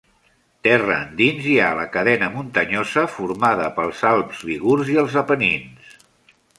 Terra endins hi ha la cadena muntanyosa formada pels Alps lígurs i els Apenins.